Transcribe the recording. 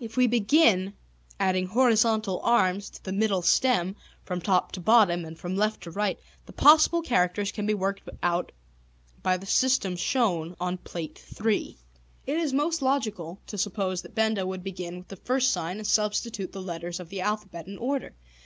If we begin adding horizontal arms to the middle stem, from top to bottom and from left to right, the possible characters can be worked out by the system shown on Plate III. [Illustration: Plate III] It is most logical to suppose that Benda would begin with the first sign and substitute the letters of the alphabet in order.